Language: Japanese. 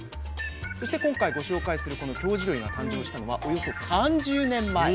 そして今回ご紹介するこの京地どりが誕生したのはおよそ３０年前。